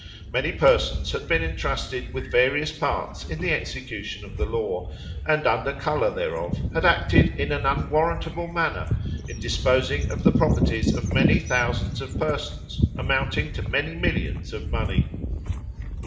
Many persons had been entrusted with various parts in the execution of the law, and under colour thereof had acted in an unwarrantable manner, in disposing of the properties of many thousands of persons amounting to many millions of money.